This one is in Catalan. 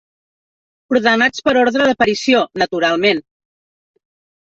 Ordenats per ordre d'aparició, naturalment.